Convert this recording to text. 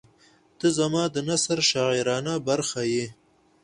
• ته زما د نثر شاعرانه برخه یې.